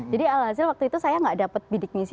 jadi alhasil waktu itu saya gak dapet bidik misi